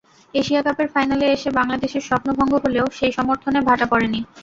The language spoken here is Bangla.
এশিয়া কাপের ফাইনালে এসে বাংলাদেশের স্বপ্নভঙ্গ হলেও সেই সমর্থনে ভাটা পড়েনি।